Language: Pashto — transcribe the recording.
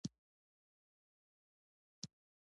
د ننګرهار په روداتو کې د سمنټو مواد شته.